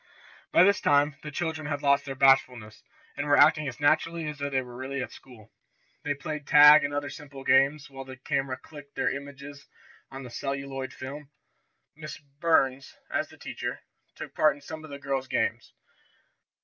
By this time the children had lost their bashfulness, and were acting as naturally as though they really were at school. They played tag and other simple games, while the camera clicked their images on the celluloid film. Miss Burns, as the teacher, took part in some of the girls' games.